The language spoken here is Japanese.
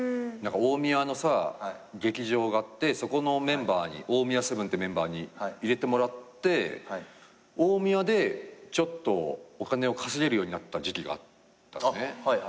大宮のさ劇場があってそこのメンバーに大宮セブンってメンバーに入れてもらって大宮でちょっとお金を稼げるようになった時期があったのね。